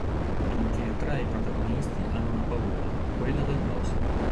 Tutti e tre i protagonisti hanno una paura: quella del prossimo.